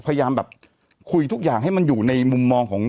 พยายามแบบคุยทุกอย่างให้มันอยู่ในมุมมองของ